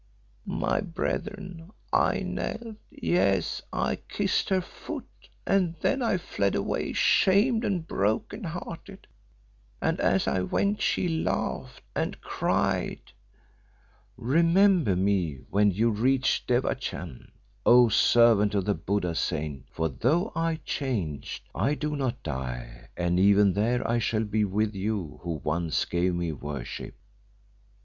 "My brethren, I knelt, yes, I kissed her foot, and then I fled away shamed and broken hearted, and as I went she laughed, and cried: 'Remember me when you reach Devachan, O servant of the Budda saint, for though I change, I do not die, and even there I shall be with you who once gave me worship!